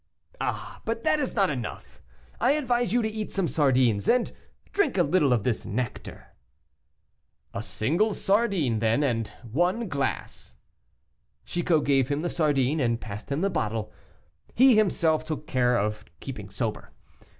"Ah! but that is not enough; I advise you to eat some sardines, and drink a little of this nectar." "A single sardine, then, and one glass." Chicot gave him the sardine, and passed him the bottle. He himself took care to keep sober.